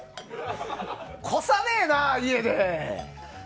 こさねえな、家で！